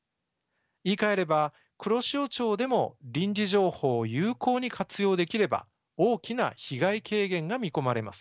言いかえれば黒潮町でも臨時情報を有効に活用できれば大きな被害軽減が見込まれます。